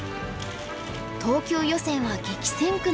東京予選は激戦区の一つ。